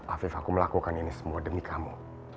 afif aku melakukan ini semua demi kamu